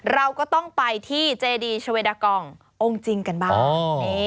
เราก็ต้องไปที่เจดีชาเวดากององค์จริงกันบ้าง